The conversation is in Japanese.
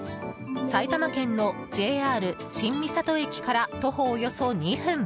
埼玉県のＪＲ新三郷駅から徒歩およそ２分。